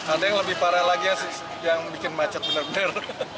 ada yang lebih parah lagi yang bikin macet benar benar